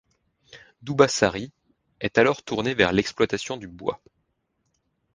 Dubăsari est alors tournée vers l'exploitation du bois.